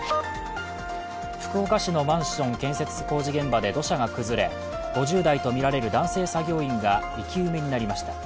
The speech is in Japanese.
福岡市のマンション建設工事現場で土砂が崩れ５０代とみられる男性作業員が生き埋めになりました。